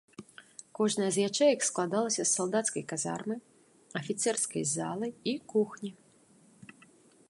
Кожная з ячэек складалася з салдацкай казармы, афіцэрскай залы і кухні.